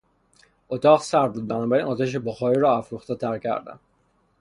اتاق سرد بود بنابراین آتش بخاری را افروختهتر کردم.